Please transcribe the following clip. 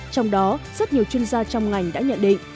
trong đó rất nhiều chuyên gia trong ngành đã nhận định